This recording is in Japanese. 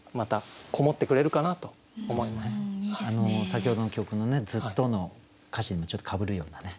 先ほどの曲のね「ＺＵＴＴＯ」の歌詞にもちょっとかぶるようなね。